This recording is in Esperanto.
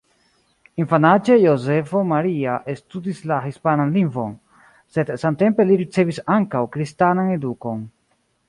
Infanaĝe Jozefo Maria studis la hispanan lingvon, sed samtempe li ricevis ankaŭ kristanan edukon.